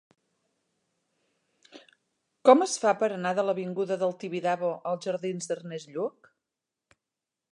Com es fa per anar de l'avinguda del Tibidabo als jardins d'Ernest Lluch?